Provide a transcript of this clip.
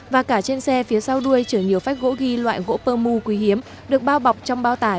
và cả trên xe phía sau đuôi chở nhiều phách gỗ ghi loại gỗ pơ mu quý hiếm được bao bọc trong bao tải